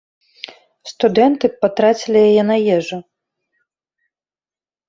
Студэнты б патрацілі яе на ежу.